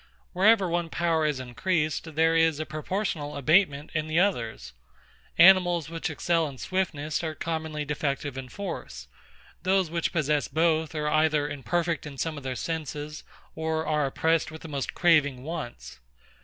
Wherever one power is increased, there is a proportional abatement in the others. Animals which excel in swiftness are commonly defective in force. Those which possess both are either imperfect in some of their senses, or are oppressed with the most craving wants.